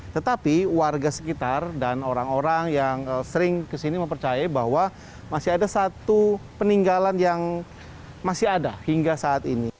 tetapi warga sekitar dan orang orang yang sering kesini mempercaya bahwa masih ada satu peninggalan yang masih ada hingga saat ini